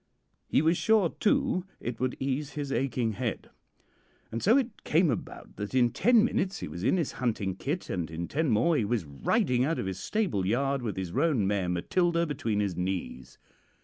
He was sure, too, it would ease his aching head. And so it came about that in ten minutes he was in his hunting kit, and in ten more he was riding out of his stable yard with his roan mare 'Matilda' between his knees.